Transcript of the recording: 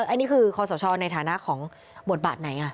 อันนี้คือคอสชในฐานะของบทบาทไหน